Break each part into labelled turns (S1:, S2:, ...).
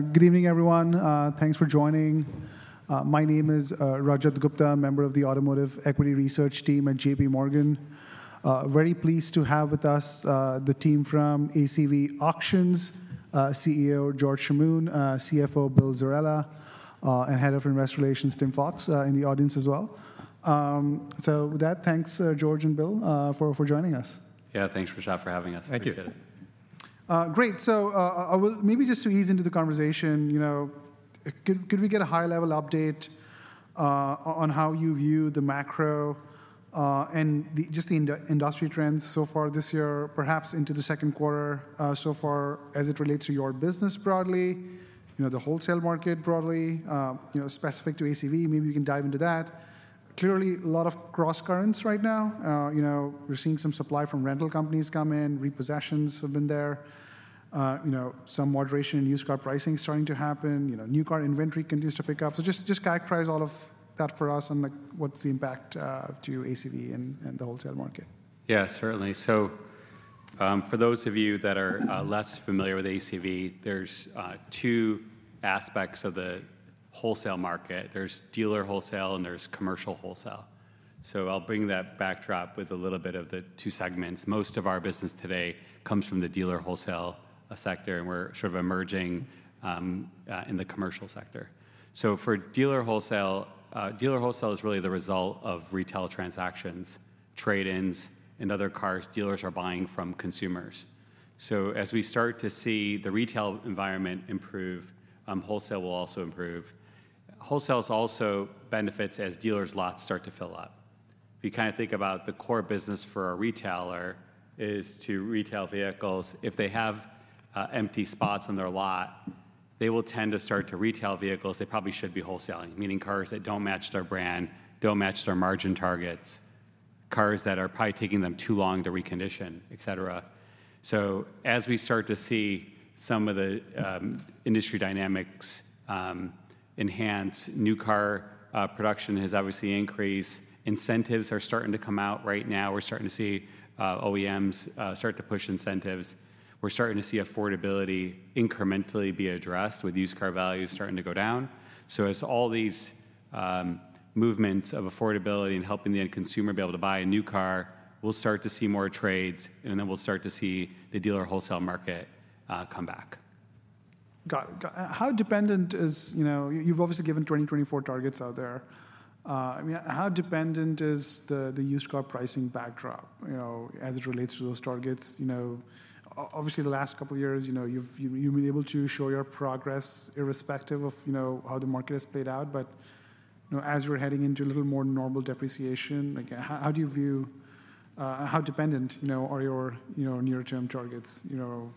S1: Good evening, everyone. Thanks for joining. My name is Rajat Gupta, member of the Automotive Equity Research team at JPMorgan Chase & Co. Very pleased to have with us the team from ACV Auctions, CEO George Chamoun, CFO Bill Zerella, and Head of Investor Relations Tim Fox in the audience as well. So with that, thanks, George and Bill, for joining us.
S2: Yeah. Thanks, Rajat, for having us. Thank you. Appreciate it.
S1: Great! So, well, maybe just to ease into the conversation, you know, could we get a high-level update on how you view the macro and the just the industry trends so far this year, perhaps into the second quarter so far as it relates to your business broadly, you know, the wholesale market broadly? You know, we're seeing some supply from rental companies come in, repossessions have been there. You know, some moderation in used car pricing is starting to happen. You know, new car inventory continues to pick up. So just characterize all of that for us, and, like, what's the impact to ACV and the wholesale market?
S2: Yeah, certainly. So, for those of you that are less familiar with ACV, there's two aspects of the wholesale market. There's dealer wholesale, and there's commercial wholesale. So I'll bring that backdrop with a little bit of the two segments. Most of our business today comes from the dealer wholesale sector, and we're sort of emerging in the commercial wholesale sector. So for dealer wholesale, dealer wholesale is really the result of retail transactions, trade-ins, and other cars dealers are buying from consumers. So as we start to see the retail environment improve, wholesale will also improve. Wholesale also benefits as dealers' lots start to fill up. If you kind of think about the core business for a retailer is to retail vehicles, if they have empty spots on their lot, they will tend to start to retail vehicles they probably should be wholesaling, meaning cars that don't match their brand, don't match their margin targets, cars that are probably taking them too long to recondition, et cetera. So as we start to see some of the industry dynamics enhance, new car production has obviously increased. Incentives are starting to come out right now. We're starting to see OEMs start to push incentives. We're starting to see affordability incrementally be addressed, with used car values starting to go down. So as all these movements of affordability and helping the end consumer be able to buy a new car, we'll start to see more trades, and then we'll start to see the dealer wholesale market come back.
S1: Got it. How dependent is... You know, you've obviously given 2024 targets out there. I mean, how dependent is the used car pricing backdrop, you know, as it relates to those targets? You know, obviously, the last couple of years, you know, you've been able to show your progress irrespective of, you know, how the market has played out. But, you know, as we're heading into a little more normal depreciation, like, how do you view how dependent, you know, are your near-term targets, you know,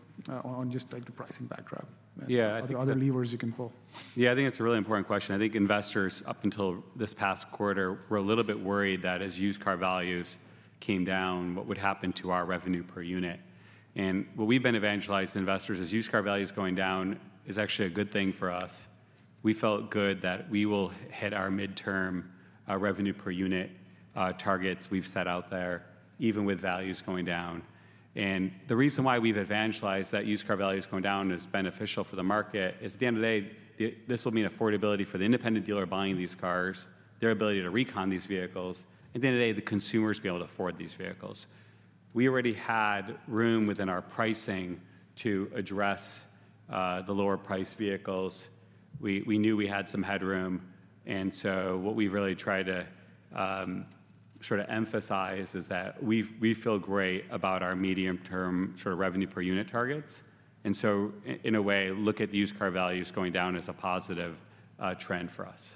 S1: on just, like, the pricing backdrop-
S2: Yeah.
S1: Are there other levers you can pull?
S2: Yeah, I think it's a really important question. I think investors, up until this past quarter, were a little bit worried that as used car values came down, what would happen to our revenue per unit? And what we've been evangelizing to investors is used car values going down is actually a good thing for us. We felt good that we will hit our midterm, revenue per unit, targets we've set out there, even with values going down. And the reason why we've evangelized that used car values going down is beneficial for the market is, at the end of the day, the, this will mean affordability for the independent dealer buying these cars, their ability to recon these vehicles, at the end of the day, the consumers be able to afford these vehicles. We already had room within our pricing to address, the lower-priced vehicles. We knew we had some headroom, and so what we really tried to sort of emphasize is that we feel great about our medium-term sort of revenue per unit targets. And so in a way, look at used car values going down as a positive trend for us.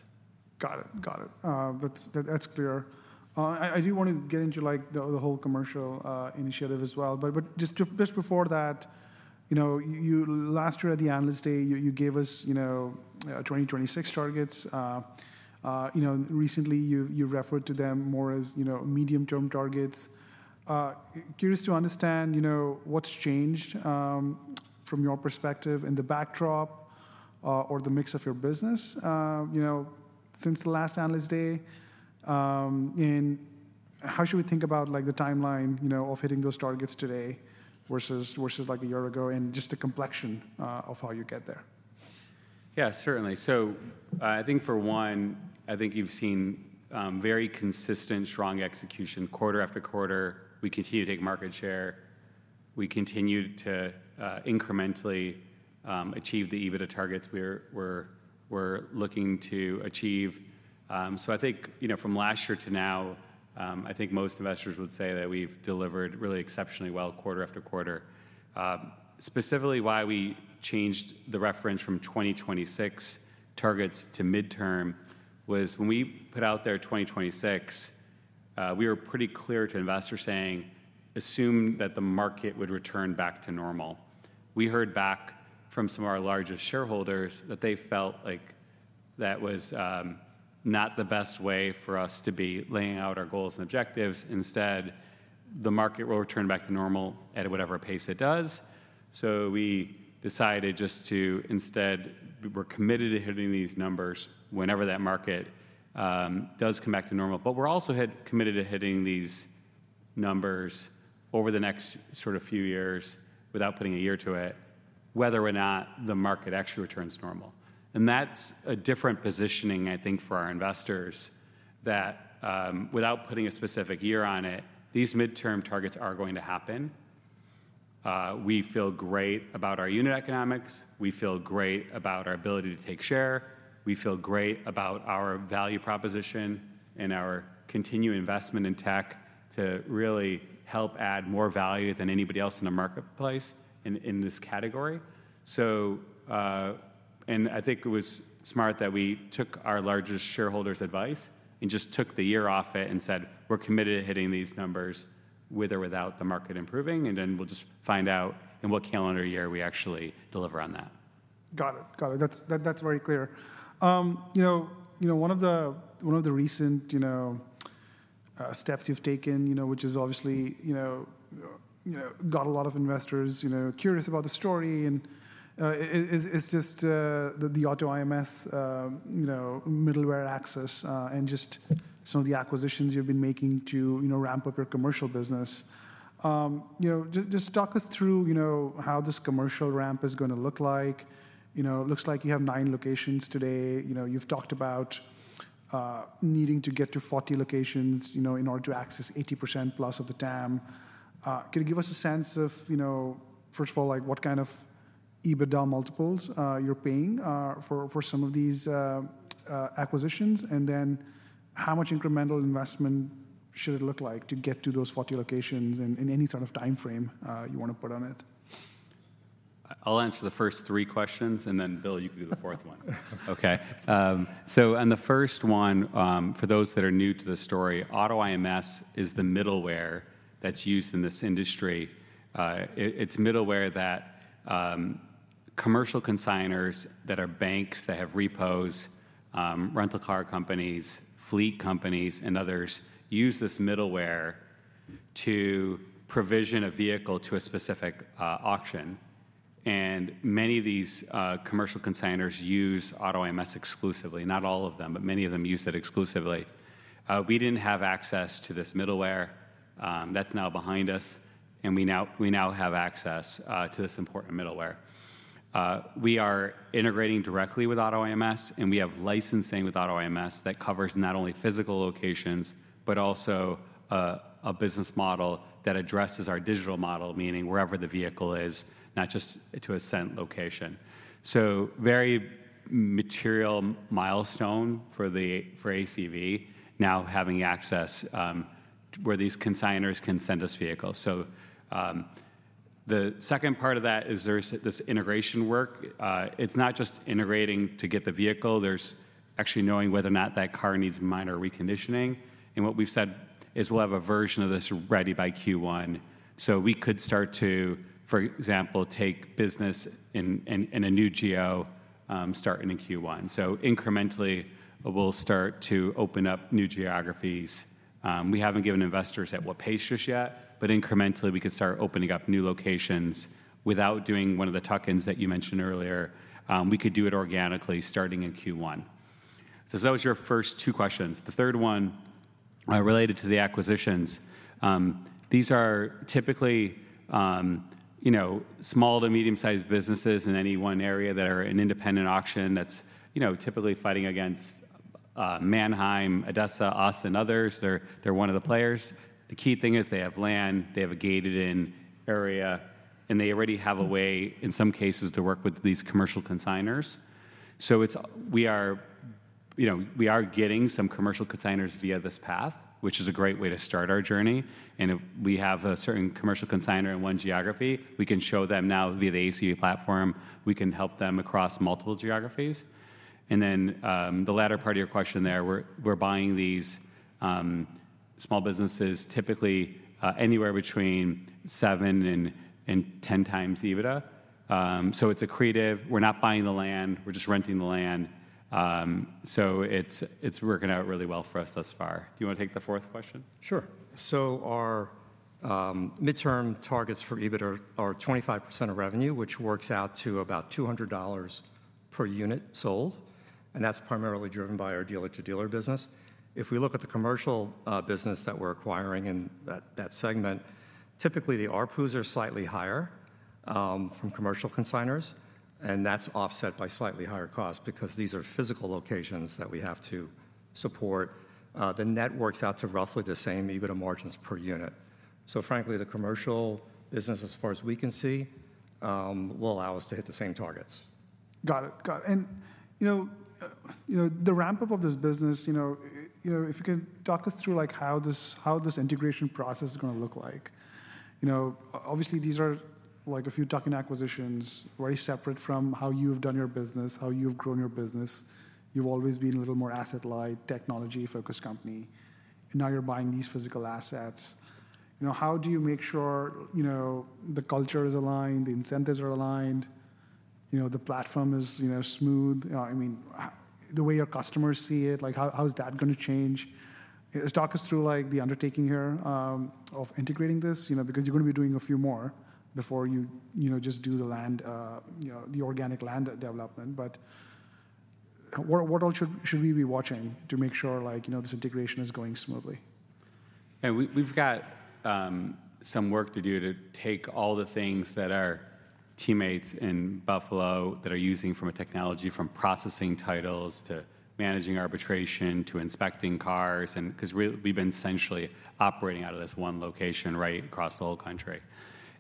S1: Got it. Got it. That's, that's clear. I, I do want to get into, like, the, the whole commercial initiative as well. But, but just, just before that, you know, you, last year at the Analyst Day, you, you gave us, you know, 2026 targets. You know, recently, you, you referred to them more as, you know, medium-term targets. Curious to understand, you know, what's changed, from your perspective in the backdrop, or the mix of your business, you know, since the last Analyst Day? And how should we think about, like, the timeline, you know, of hitting those targets today versus, versus, like, a year ago, and just the complexion, of how you get there?
S2: Yeah, certainly. So, I think for one, I think you've seen very consistent, strong execution quarter after quarter. We continue to take market share. We continue to incrementally achieve the EBITDA targets we're looking to achieve. So I think, you know, from last year to now, I think most investors would say that we've delivered really exceptionally well quarter after quarter. Specifically, why we changed the reference from 2026 targets to midterm was when we put out there 2026, we were pretty clear to investors, saying, "Assume that the market would return back to normal." We heard back from some of our largest shareholders that they felt like that was not the best way for us to be laying out our goals and objectives. Instead, the market will return back to normal at whatever pace it does. We're committed to hitting these numbers whenever that market does come back to normal. But we're also committed to hitting these numbers over the next sort of few years, without putting a year to it, whether or not the market actually returns normal. And that's a different positioning, I think, for our investors, that without putting a specific year on it, these midterm targets are going to happen. We feel great about our unit economics. We feel great about our ability to take share. We feel great about our value proposition and our continued investment in tech to really help add more value than anybody else in the marketplace in this category. So, and I think it was smart that we took our largest shareholder's advice and just took the year off it and said: "We're committed to hitting these numbers with or without the market improving, and then we'll just find out in what calendar year we actually deliver on that.
S1: Got it. Got it. That's very clear. You know, one of the recent steps you've taken, which is obviously got a lot of investors curious about the story and it's just the AutoIMS middleware access and just some of the acquisitions you've been making to ramp up your commercial business. Just talk us through how this commercial ramp is gonna look like. You know, it looks like you have 9 locations today. You know, you've talked about needing to get to 40 locations, you know, in order to access 80+% of the TAM. Can you give us a sense of, you know, first of all, like, what kind of EBITDA multiples you're paying for some of these acquisitions? And then how much incremental investment should it look like to get to those 40 locations, and any sort of timeframe you wanna put on it?
S2: I'll answer the first three questions, and then Bill, you can do the fourth one. Okay. So and the first one, for those that are new to the story, AutoIMS is the middleware that's used in this industry. It's middleware that, commercial consignors that are banks that have repos, rental car companies, fleet companies, and others use this middleware to provision a vehicle to a specific, auction. And many of these, commercial consignors use AutoIMS exclusively. Not all of them, but many of them use it exclusively. We didn't have access to this middleware. That's now behind us, and we now, we now have access, to this important middleware. We are integrating directly with AutoIMS, and we have licensing with AutoIMS that covers not only physical locations, but also a business model that addresses our digital model, meaning wherever the vehicle is, not just to a set location. So very material milestone for ACV now having access, where these consignors can send us vehicles. So, the second part of that is there's this integration work. It's not just integrating to get the vehicle; there's actually knowing whether or not that car needs minor reconditioning. And what we've said is we'll have a version of this ready by Q1. So we could start to, for example, take business in a new geo, starting in Q1. So incrementally, we'll start to open up new geographies. We haven't given investors at what pace just yet, but incrementally, we could start opening up new locations without doing one of the tuck-ins that you mentioned earlier. We could do it organically, starting in Q1. So those were your first two questions. The third one, related to the acquisitions, these are typically, you know, small to medium-sized businesses in any one area that are an independent auction that's, you know, typically fighting against, Manheim, ADESA, us, and others. They're, they're one of the players. The key thing is they have land, they have a gated-in area, and they already have a way, in some cases, to work with these commercial consignors. So it's we are, you know, we are getting some commercial consignors via this path, which is a great way to start our journey, and if we have a certain commercial consignor in one geography, we can show them now via the ACV platform, we can help them across multiple geographies. And then, the latter part of your question there, we're buying these small businesses, typically, anywhere between 7 and 10 times EBITDA. So it's accretive. We're not buying the land; we're just renting the land. So it's working out really well for us thus far. Do you wanna take the fourth question?
S3: Sure. So our midterm targets for EBITDA are 25% of revenue, which works out to about $200 per unit sold, and that's primarily driven by our dealer-to-dealer business. If we look at the commercial business that we're acquiring in that, that segment, typically, the ARPUs are slightly higher from commercial consignors, and that's offset by slightly higher costs because these are physical locations that we have to support. The net works out to roughly the same EBITDA margins per unit. So frankly, the commercial business, as far as we can see, will allow us to hit the same targets.
S1: Got it. Got it. And, you know, the ramp-up of this business, you know, you know, if you could talk us through, like, how this, how this integration process is gonna look like. You know, obviously, these are, like, a few tuck-in acquisitions, very separate from how you've done your business, how you've grown your business. You've always been a little more asset-light, technology-focused company, and now you're buying these physical assets. You know, how do you make sure, you know, the culture is aligned, the incentives are aligned, you know, the platform is, you know, smooth? I mean, the way your customers see it, like, how, how is that gonna change? Just talk us through, like, the undertaking here of integrating this, you know, because you're gonna be doing a few more before you, you know, just do the land, you know, the organic land development. But what all should we be watching to make sure, like, you know, this integration is going smoothly?
S2: Yeah, we've got some work to do to take all the things that our teammates in Buffalo that are using from a technology, from processing titles to managing arbitration, to inspecting cars, and 'cause we've been essentially operating out of this one location, right? Across the whole country.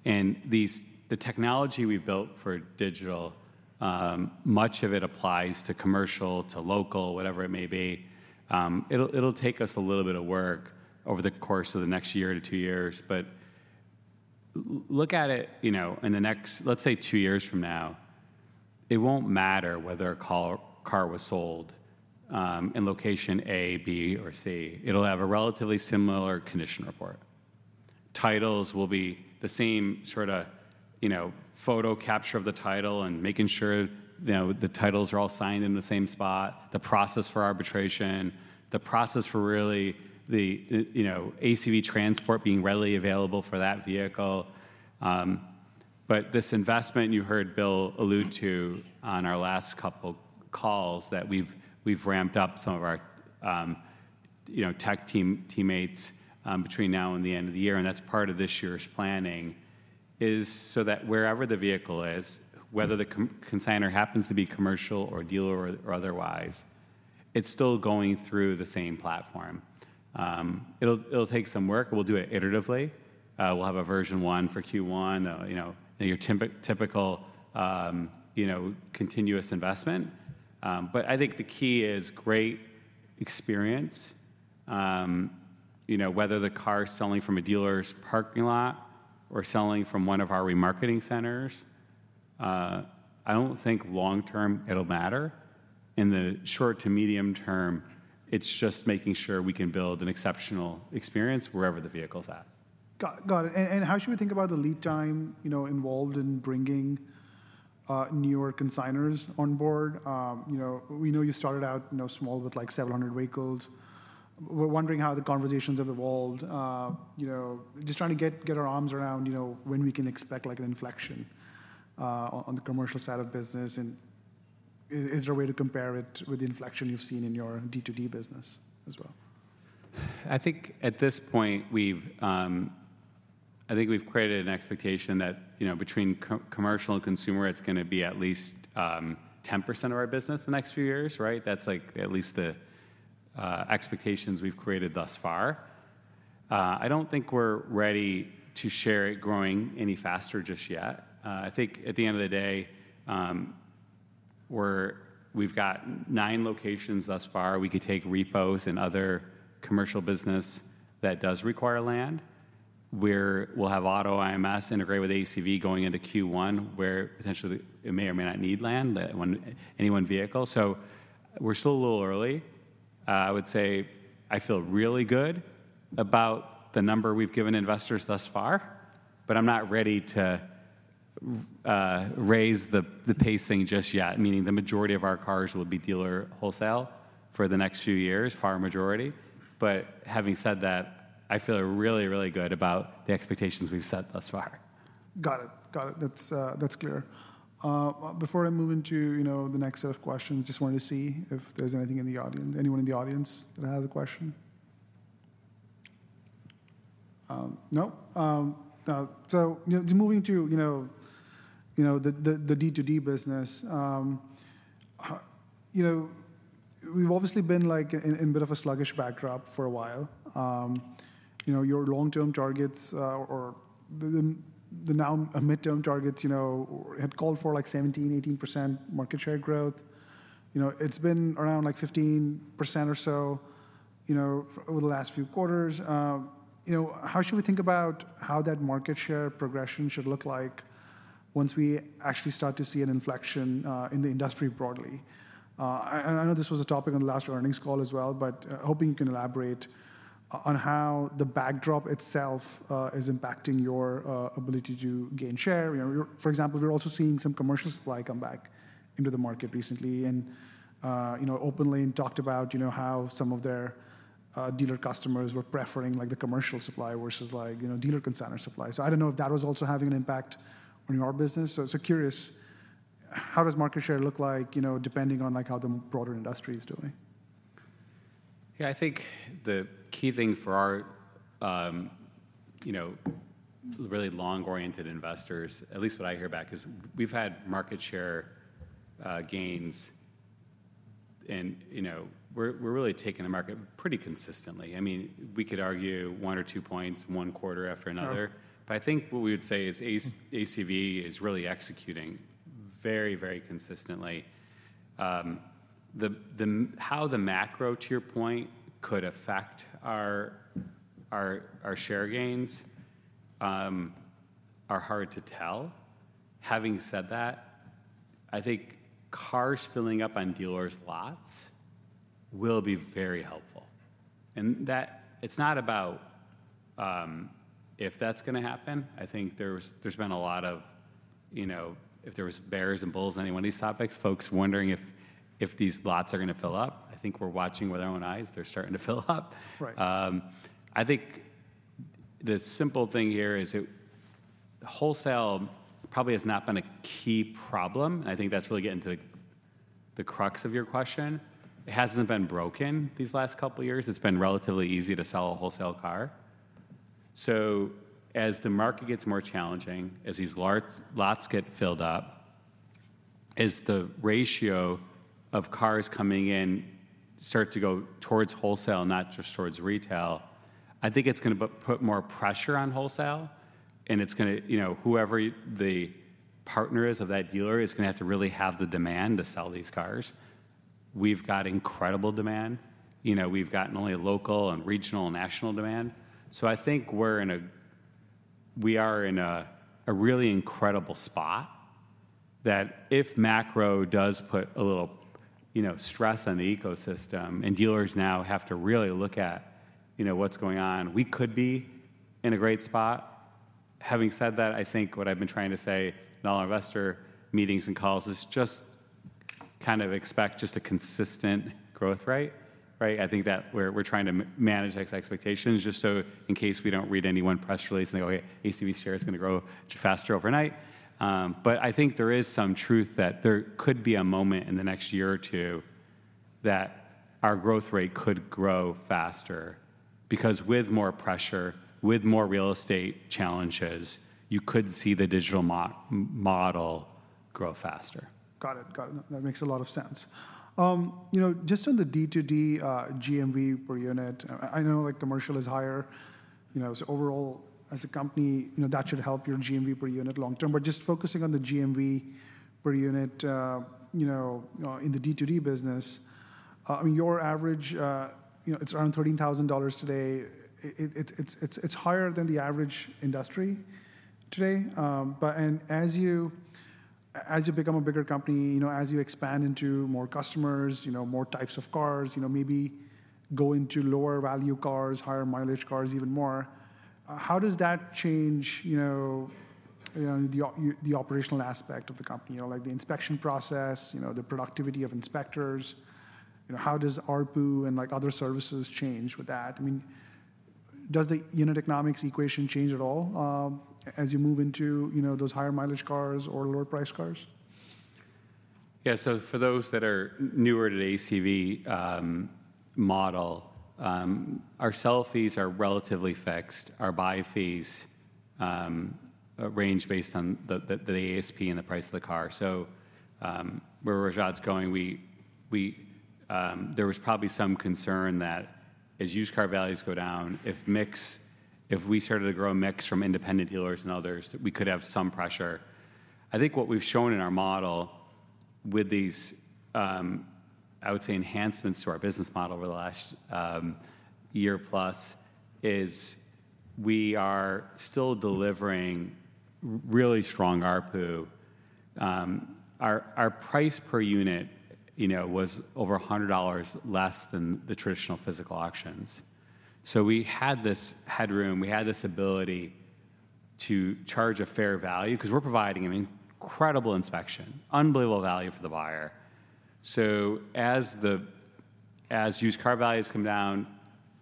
S2: These—the technology we've built for digital, much of it applies to commercial, to local, whatever it may be. It'll take us a little bit of work over the course of the next year to two years, but look at it, you know, in the next, let's say, two years from now, it won't matter whether a car was sold in location A, B, or C. It'll have a relatively similar condition report. Titles will be the same sort of, you know, photo capture of the title and making sure, you know, the titles are all signed in the same spot, the process for arbitration, the process for really the, you know, ACV Transport being readily available for that vehicle. But this investment you heard Bill allude to on our last couple calls, that we've we've ramped up some of our, you know, tech teammates, between now and the end of the year, and that's part of this year's planning, is so that wherever the vehicle is, whether the consignor happens to be commercial or dealer or, or otherwise, it's still going through the same platform. It'll it'll take some work. We'll do it iteratively. We'll have a version one for Q1, you know, your typical, you know, continuous investment. But I think the key is great experience. You know, whether the car's selling from a dealer's parking lot or selling from one of our remarketing centers, I don't think long term it'll matter. In the short to medium term, it's just making sure we can build an exceptional experience wherever the vehicle's at.
S1: Got it. And how should we think about the lead time, you know, involved in bringing newer consignors on board? You know, we know you started out, you know, small, with, like, 700 vehicles. We're wondering how the conversations have evolved. You know, just trying to get our arms around, you know, when we can expect, like, an inflection on the commercial side of business, and is there a way to compare it with the inflection you've seen in your D2D business as well?
S2: I think at this point, we've... I think we've created an expectation that, you know, between commercial and consumer, it's gonna be at least 10% of our business the next few years, right? That's, like, at least the expectations we've created thus far. I don't think we're ready to share it growing any faster just yet. I think at the end of the day, we're- we've got 9 locations thus far. We could take repos and other commercial business that does require land, where we'll have AutoIMS integrate with ACV going into Q1, where potentially it may or may not need land, that when any one vehicle. So we're still a little early. I would say I feel really good about the number we've given investors thus far, but I'm not ready to raise the pacing just yet, meaning the majority of our cars will be dealer wholesale for the next few years, far majority. But having said that, I feel really, really good about the expectations we've set thus far.
S1: Got it. Got it. That's, that's clear. Before I move into, you know, the next set of questions, just wanted to see if there's anything in the audience, anyone in the audience that has a question. No? So, you know, just moving to, you know, you know, the D2D business, you know, we've obviously been, like, in, in a bit of a sluggish backdrop for a while. You know, your long-term targets or the now mid-term targets, you know, had called for, like, 17%-18% market share growth. You know, it's been around, like, 15% or so, you know, over the last few quarters. You know, how should we think about how that market share progression should look like once we actually start to see an inflection in the industry broadly? And I know this was a topic on the last earnings call as well, but hoping you can elaborate on how the backdrop itself is impacting your ability to gain share. You know, for example, we're also seeing some commercial supply come back into the market recently and, you know, OPENLANE and talked about, you know, how some of their dealer customers were preferring, like, the commercial supply versus, like, you know, dealer consignor supply. So I don't know if that was also having an impact on your business. So curious, how does market share look like, you know, depending on, like, how the broader industry is doing?
S2: Yeah, I think the key thing for our, you know, really long-oriented investors, at least what I hear back, is we've had market share, gains, and, you know, we're really taking the market pretty consistently. I mean, we could argue one or two points, one quarter after another-
S1: Yeah ...
S2: but I think what we would say is ACV is really executing very, very consistently. The, the, how the macro, to your point, could affect our, our, our share gains, are hard to tell. Having said that, I think cars filling up on dealers' lots will be very helpful, and that it's not about, if that's gonna happen. I think there's been a lot of, you know, if there was bears and bulls on any one of these topics, folks wondering if, if these lots are gonna fill up. I think we're watching with our own eyes. They're starting to fill up.
S1: Right.
S2: I think the simple thing here is wholesale probably has not been a key problem, and I think that's really getting to the crux of your question. It hasn't been broken these last couple of years. It's been relatively easy to sell a wholesale car. So as the market gets more challenging, as these lots get filled up, as the ratio of cars coming in start to go towards wholesale, not just towards retail, I think it's gonna put more pressure on wholesale, and it's gonna, you know, whoever the partner is of that dealer is gonna have to really have the demand to sell these cars. We've got incredible demand. You know, we've gotten only a local and regional and national demand. So I think we are in a really incredible spot, that if macro does put a little, you know, stress on the ecosystem and dealers now have to really look at, you know, what's going on, we could be in a great spot. Having said that, I think what I've been trying to say in all our investor meetings and calls is just kind of expect just a consistent growth rate, right? I think that we're, we're trying to manage expectations just so in case we don't read any one press release and they go, "ACV share is gonna grow faster overnight." But I think there is some truth that there could be a moment in the next year or two that our growth rate could grow faster. Because with more pressure, with more real estate challenges, you could see the digital model grow faster.
S1: Got it, got it. That makes a lot of sense. You know, just on the D2D, GMV per unit, I know, like, commercial is higher, you know, so overall, as a company, you know, that should help your GMV per unit long term. But just focusing on the GMV per unit, you know, in the D2D business, your average, you know, it's around $13,000 today. It's higher than the average industry today. But, and as you, as you become a bigger company, you know, as you expand into more customers, you know, more types of cars, you know, maybe go into lower-value cars, higher-mileage cars even more, how does that change, you know, the operational aspect of the company? You know, like the inspection process, you know, the productivity of inspectors. You know, how does ARPU and, like, other services change with that? I mean, does the unit economics equation change at all, as you move into, you know, those higher-mileage cars or lower-priced cars?
S2: Yeah, so for those that are newer to the ACV model, our sell fees are relatively fixed. Our buy fees range based on the ASP and the price of the car. So, where Rajat's going, there was probably some concern that as used car values go down, if mix—if we started to grow a mix from independent dealers and others, we could have some pressure. I think what we've shown in our model with these, I would say, enhancements to our business model over the last year plus, is we are still delivering really strong ARPU. Our price per unit, you know, was over $100 less than the traditional physical auctions. So we had this headroom, we had this ability to charge a fair value, 'cause we're providing an incredible inspection, unbelievable value for the buyer. So as used car values come down,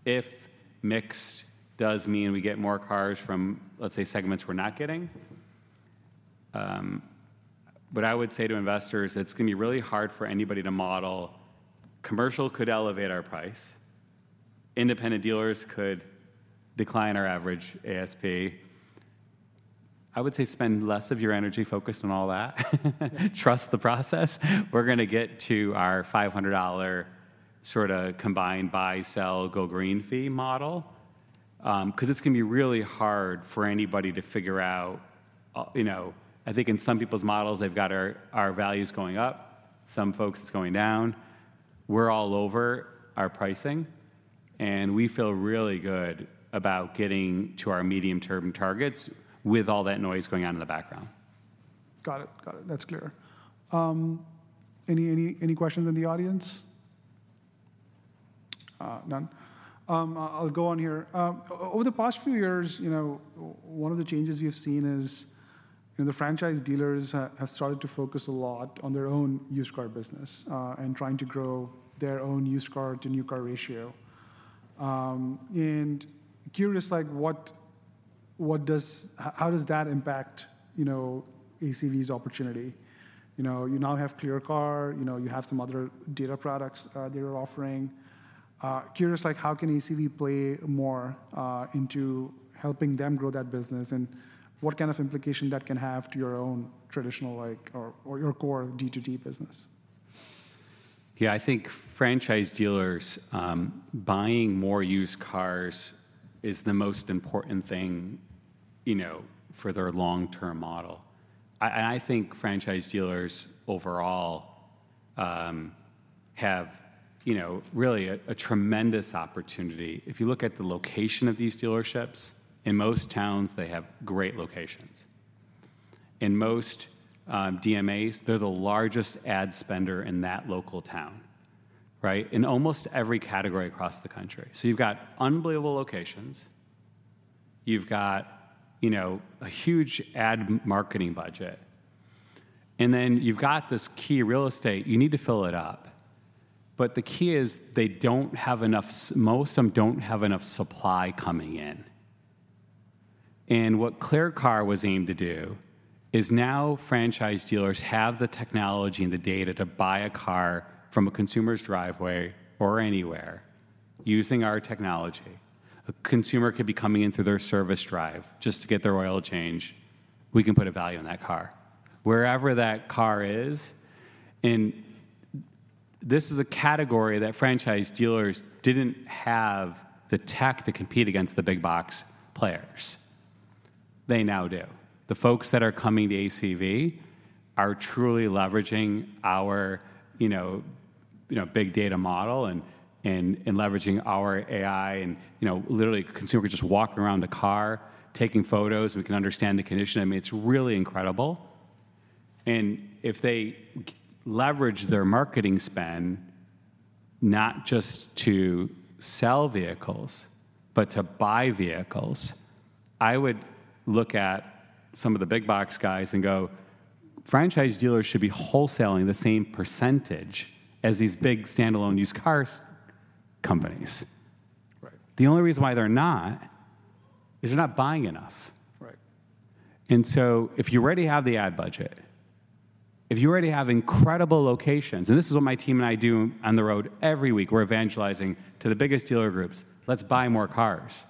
S2: if mix does mean we get more cars from, let's say, segments we're not getting... What I would say to investors, it's gonna be really hard for anybody to model. Commercial could elevate our price. Independent dealers could decline our average ASP. I would say spend less of your energy focused on all that.
S1: Yeah.
S2: Trust the process. We're gonna get to our $500 sort of combined buy, sell, Go Green fee model, 'cause it's gonna be really hard for anybody to figure out. You know, I think in some people's models, they've got our, our values going up, some folks it's going down. We're all over our pricing, and we feel really good about getting to our medium-term targets with all that noise going on in the background.
S1: Got it. Got it. That's clear. Any questions in the audience? None. I'll go on here. Over the past few years, you know, one of the changes we've seen is, you know, the franchise dealers have started to focus a lot on their own used car business, and trying to grow their own used car to new car ratio. And curious, like, what does... how does that impact, you know, ACV's opportunity? You know, you now have ClearCar, you know, you have some other data products that you're offering. Curious, like, how can ACV play more into helping them grow that business, and what kind of implication that can have to your own traditional, like, or your core D2D business?
S2: Yeah, I think franchise dealers buying more used cars is the most important thing, you know, for their long-term model. And I think franchise dealers overall have, you know, really a tremendous opportunity. If you look at the location of these dealerships, in most towns, they have great locations. In most DMAs, they're the largest ad spender in that local town, right? In almost every category across the country. So you've got unbelievable locations, you've got, you know, a huge ad marketing budget and then you've got this key real estate, you need to fill it up. But the key is they don't have enough, most of them don't have enough supply coming in. And what ClearCar was aimed to do is now franchise dealers have the technology and the data to buy a car from a consumer's driveway or anywhere using our technology. A consumer could be coming into their service drive just to get their oil changed, we can put a value on that car, wherever that car is. And this is a category that franchise dealers didn't have the tech to compete against the big box players. They now do. The folks that are coming to ACV are truly leveraging our, you know, you know, big data model and, and, and leveraging our AI, and, you know, literally, a consumer could just walk around the car taking photos, and we can understand the condition. I mean, it's really incredible. And if they leverage their marketing spend, not just to sell vehicles, but to buy vehicles, I would look at some of the big box guys and go, "Franchise dealers should be wholesaling the same percentage as these big standalone used cars companies.
S1: Right.
S2: The only reason why they're not is they're not buying enough.
S1: Right.
S2: And so if you already have the ad budget, if you already have incredible locations, and this is what my team and I do on the road every week, we're evangelizing to the biggest dealer groups, "Let's buy more cars."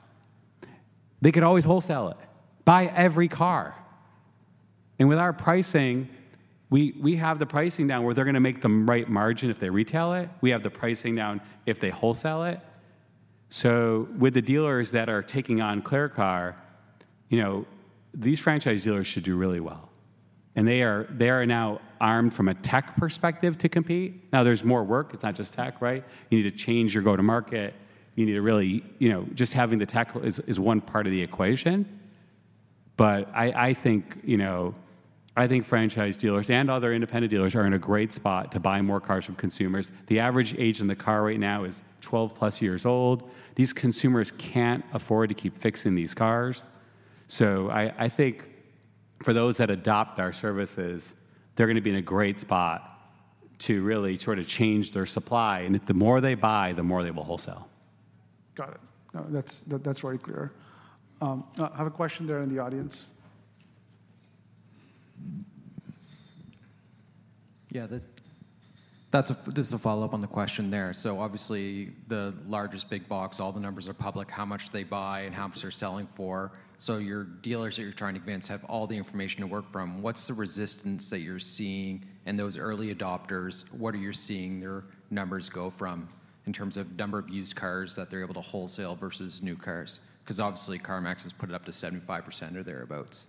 S2: They could always wholesale it. Buy every car! And with our pricing, we, we have the pricing down where they're gonna make the right margin if they retail it. We have the pricing down if they wholesale it. So with the dealers that are taking on ClearCar, you know, these franchise dealers should do really well, and they are, they are now armed from a tech perspective to compete. Now, there's more work. It's not just tech, right? You need to change your go-to-market. You need to really... You know, just having the tech is, is one part of the equation. But I, I think, you know, I think franchise dealers and other independent dealers are in a great spot to buy more cars from consumers. The average age in the car right now is 12+ years old. These consumers can't afford to keep fixing these cars. So I, I think for those that adopt our services, they're gonna be in a great spot to really sort of change their supply, and the more they buy, the more they will wholesale.
S1: Got it. No, that's, that's very clear. I have a question there in the audience.
S4: Yeah, that's just a follow-up on the question there. So obviously, the largest big box, all the numbers are public, how much they buy and how much they're selling for. So your dealers that you're trying to advance have all the information to work from. What's the resistance that you're seeing in those early adopters? What are you seeing their numbers go from in terms of number of used cars that they're able to wholesale versus new cars? 'Cause obviously, CarMax has put it up to 75% or thereabouts.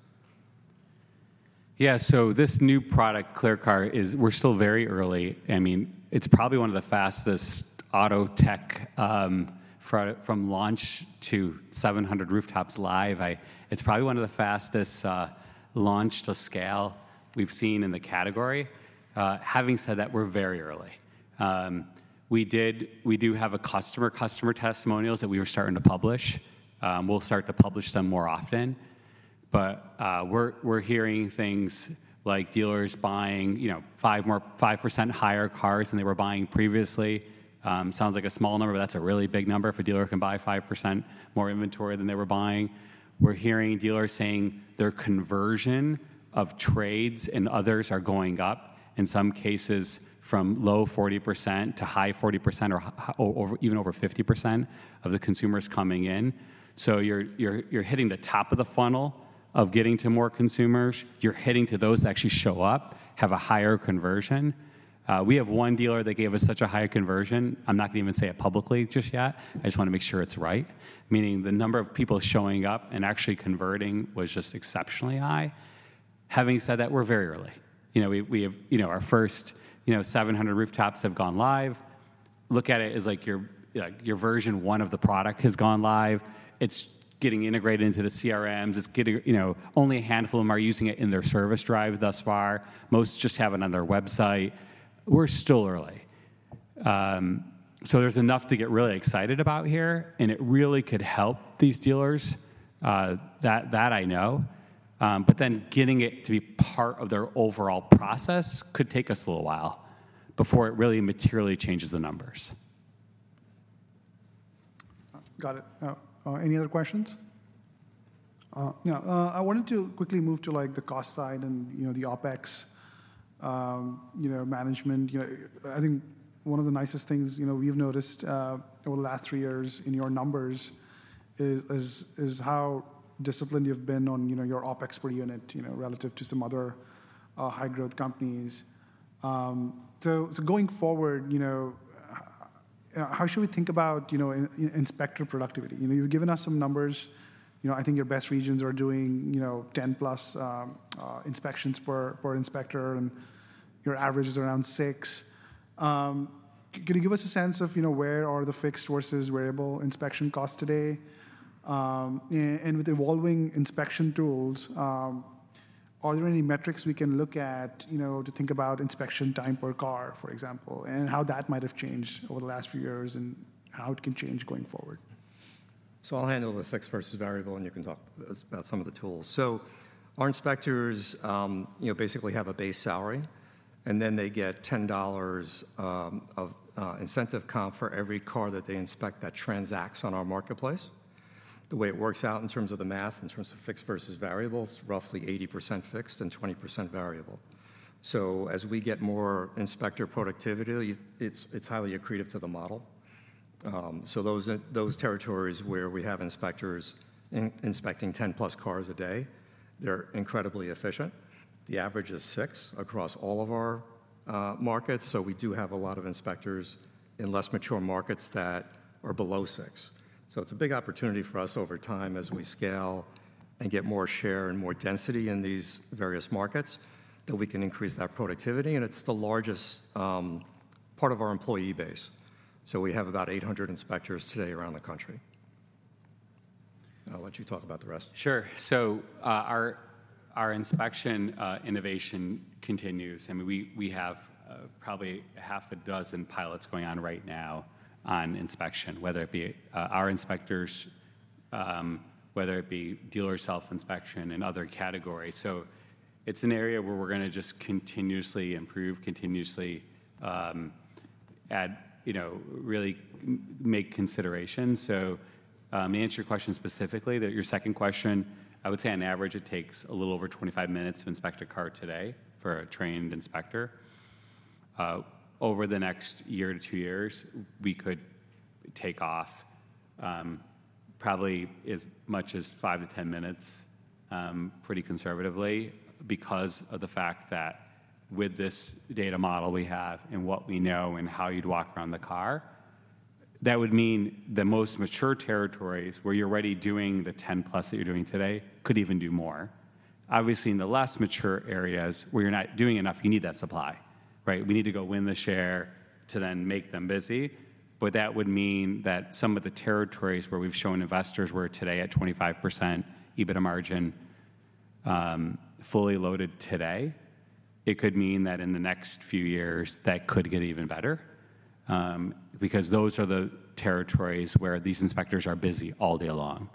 S2: Yeah, so this new product, ClearCar, is - we're still very early. I mean, it's probably one of the fastest auto tech from launch to 700 rooftops live. It's probably one of the fastest launch to scale we've seen in the category. Having said that, we're very early. We do have customer testimonials that we are starting to publish. We'll start to publish them more often. But, we're hearing things like dealers buying, you know, 5% higher cars than they were buying previously. Sounds like a small number, but that's a really big number if a dealer can buy 5% more inventory than they were buying. We're hearing dealers saying their conversion of trades and others are going up, in some cases from low 40% to high 40% or over, even over 50% of the consumers coming in. So you're, you're, you're hitting the top of the funnel of getting to more consumers. You're hitting to those that actually show up, have a higher conversion. We have one dealer that gave us such a high conversion, I'm not gonna even say it publicly just yet. I just wanna make sure it's right. Meaning the number of people showing up and actually converting was just exceptionally high. Having said that, we're very early. You know, we, we have, you know, our first, you know, 700 rooftops have gone live. Look at it as like your, like, your version one of the product has gone live. It's getting integrated into the CRMs. It's getting, you know... Only a handful of them are using it in their service drive thus far. Most just have it on their website. We're still early. So there's enough to get really excited about here, and it really could help these dealers that I know. But then getting it to be part of their overall process could take us a little while before it really materially changes the numbers.
S1: Got it. Any other questions? Yeah, I wanted to quickly move to, like, the cost side and, you know, the OpEx, you know, management. You know, I think one of the nicest things, you know, we've noticed over the last three years in your numbers is how disciplined you've been on, you know, your OpEx per unit, you know, relative to some other high-growth companies. So, going forward, you know, how should we think about, you know, inspector productivity? You know, you've given us some numbers. You know, I think your best regions are doing, you know, 10+ inspections per inspector, and your average is around six. Can you give us a sense of, you know, where are the fixed versus variable inspection costs today? With evolving inspection tools, are there any metrics we can look at, you know, to think about inspection time per car, for example, and how that might have changed over the last few years and how it can change going forward?...
S3: So I'll handle the fixed versus variable, and you can talk about some of the tools. So our inspectors, you know, basically have a base salary, and then they get $10 of incentive comp for every car that they inspect that transacts on our marketplace. The way it works out in terms of the math, in terms of fixed versus variable, is roughly 80% fixed and 20% variable. So as we get more inspector productivity, it's highly accretive to the model. So those territories where we have inspectors inspecting 10+ cars a day, they're incredibly efficient. The average is six across all of our markets, so we do have a lot of inspectors in less mature markets that are below six. It's a big opportunity for us over time as we scale and get more share and more density in these various markets, that we can increase that productivity, and it's the largest part of our employee base. We have about 800 inspectors today around the country. I'll let you talk about the rest.
S2: Sure. So, our inspection innovation continues, and we have probably half a dozen pilots going on right now on inspection, whether it be our inspectors, whether it be dealer self-inspection and other categories. So it's an area where we're gonna just continuously improve, continuously add, you know, really make considerations. So, to answer your question specifically, that your second question, I would say on average, it takes a little over 25 minutes to inspect a car today for a trained inspector. Over the next 1-2 years, we could take off, probably as much as 5-10 minutes, pretty conservatively, because of the fact that with this data model we have and what we know and how you'd walk around the car, that would mean the most mature territories, where you're already doing the 10+ that you're doing today, could even do more. Obviously, in the less mature areas, where you're not doing enough, you need that supply, right? We need to go win the share to then make them busy. But that would mean that some of the territories where we've shown investors we're today at 25% EBITDA margin, fully loaded today, it could mean that in the next few years, that could get even better, because those are the territories where these inspectors are busy all day long,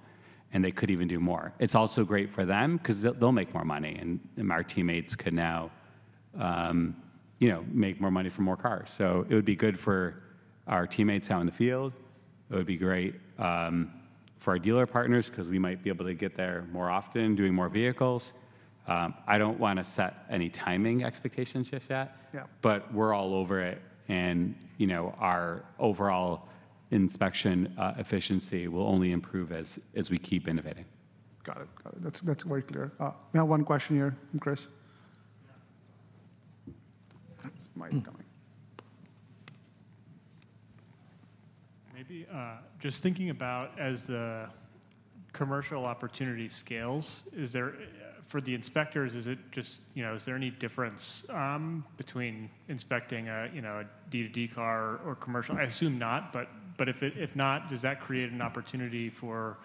S2: and they could even do more. It's also great for them 'cause they'll make more money, and, and our teammates could now, you know, make more money from more cars. So it would be good for our teammates out in the field. It would be great, for our dealer partners 'cause we might be able to get there more often, doing more vehicles. I don't wanna set any timing expectations just yet-
S3: Yeah...
S2: but we're all over it, and, you know, our overall inspection efficiency will only improve as we keep innovating.
S1: Got it. Got it. That's, that's very clear. We have one question here from Chris. Mic coming.
S5: Maybe, just thinking about as the commercial opportunity scales, is there, for the inspectors, is it just, you know, is there any difference between inspecting a, you know, a D2D car or commercial? I assume not, but if not, does that create an opportunity for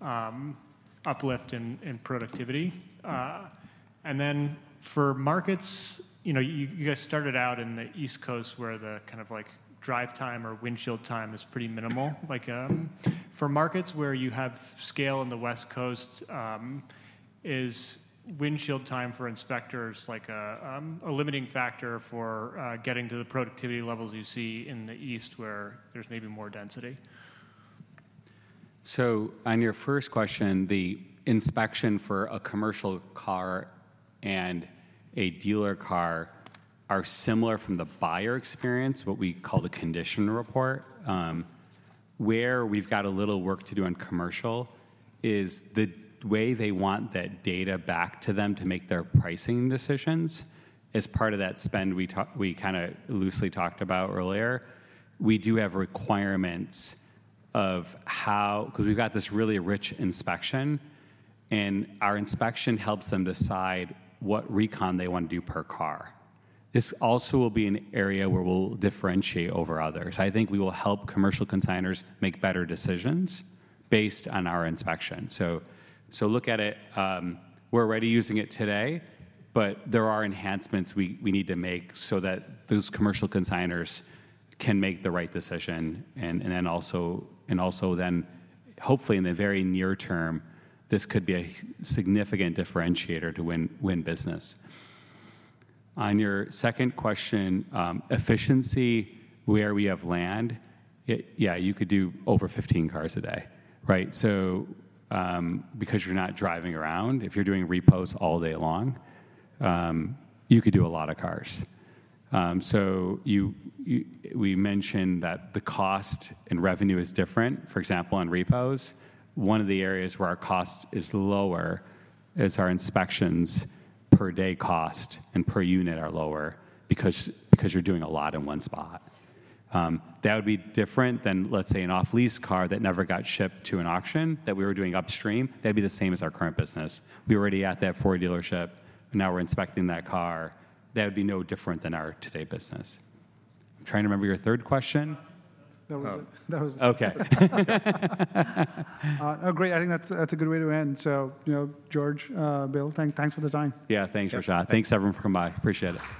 S5: uplift in productivity? And then for markets, you know, you guys started out in the East Coast, where the kind of like drive time or windshield time is pretty minimal. Like, for markets where you have scale in the West Coast, is windshield time for inspectors like a limiting factor for getting to the productivity levels you see in the East, where there's maybe more density?
S2: So on your first question, the inspection for a commercial car and a dealer car are similar from the buyer experience, what we call the condition report. Where we've got a little work to do on commercial is the way they want that data back to them to make their pricing decisions is part of that spend we kinda loosely talked about earlier. We do have requirements of how 'cause we've got this really rich inspection, and our inspection helps them decide what recon they want to do per car. This also will be an area where we'll differentiate over others. I think we will help commercial consigners make better decisions based on our inspection. So look at it, we're already using it today, but there are enhancements we need to make so that those commercial consigners can make the right decision, and then also, hopefully, in the very near term, this could be a significant differentiator to win business. On your second question, efficiency, where we have land, it... Yeah, you could do over 15 cars a day, right? So, because you're not driving around, if you're doing repos all day long, you could do a lot of cars. So you-- we mentioned that the cost and revenue is different. For example, on repos, one of the areas where our cost is lower is our inspections per-day cost and per unit are lower because you're doing a lot in one spot. That would be different than, let's say, an off-lease car that never got shipped to an auction that we were doing upstream. That'd be the same as our current business. We're already at that Ford dealership, and now we're inspecting that car. That would be no different than our today business. I'm trying to remember your third question.
S1: That was it.
S2: Oh.
S1: That was it.
S2: Okay.
S1: Oh, great. I think that's a good way to end. So, you know, George, Bill, thanks for the time.
S2: Yeah. Thanks, Rajat.
S3: Yeah.
S2: Thanks, everyone, for coming by. Appreciate it.